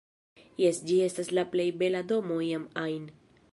Jes, ĝi estas la plej bela domo iam ajn